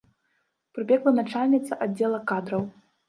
Прыбегла начальніца аддзела кадраў.